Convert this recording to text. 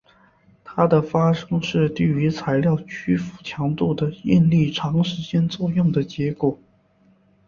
它的发生是低于材料屈服强度的应力长时间作用的结果。